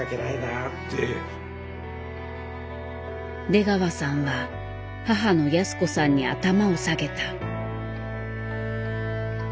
出川さんは母の泰子さんに頭を下げた。